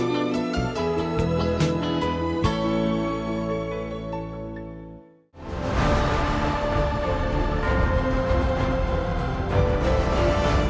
hẹn gặp lại